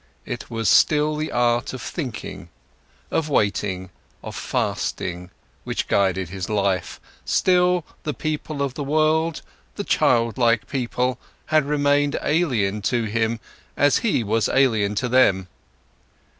It was still the art of thinking, of waiting, of fasting, which guided his life; still the people of the world, the childlike people, had remained alien to him as he was alien to them.